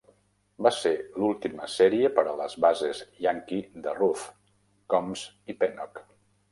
Va ser l'última sèrie per a les bases Yankee de Ruth, Combs i Pennock.